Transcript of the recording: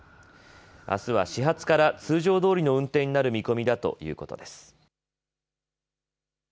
あすは始発から通常どおりの運転になる見込みだということです。